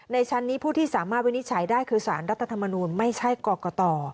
ชั้นนี้ผู้ที่สามารถวินิจฉัยได้คือสารรัฐธรรมนูลไม่ใช่กรกต